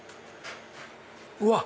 うわっ！